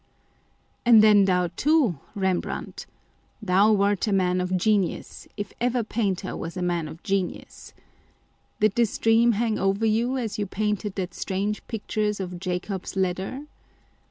And thou too, Rem brandt ! Thou wert a man of genius, if ever painter was a man of genius ! â€" did this dream hang over you as you painted that strange picture of " Jacob's Ladder